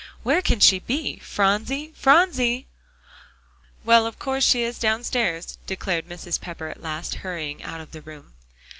"Where can she be? Phronsie Phronsie!" "Well, of course she is downstairs," declared Mrs. Pepper at last, hurrying out of the room.